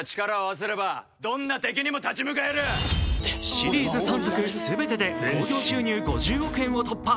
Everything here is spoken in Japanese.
シリーズ３作全てで興行収入５０億円を突破。